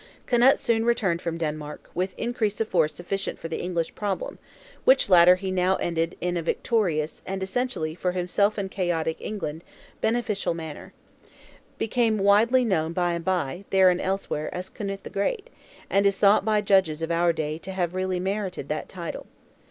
Knut soon returned from Denmark, with increase of force sufficient for the English problem; which latter he now ended in a victorious, and essentially, for himself and chaotic England, beneficent manner. Became widely known by and by, there and elsewhere, as Knut the Great; and is thought by judges of our day to have really merited that title.